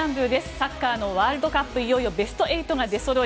サッカーのワールドカップいよいよベスト８が出そろい